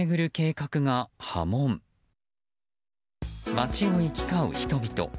街を行き交う人々。